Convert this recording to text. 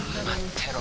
てろ